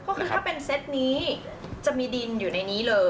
ก็คือถ้าเป็นเซตนี้จะมีดินอยู่ในนี้เลย